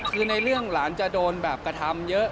คือในเรื่องหลานจะโดนแบบกระทำเยอะ